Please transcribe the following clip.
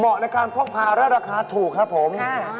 เมาะในการพอกพาร่าราคาถูกครับผม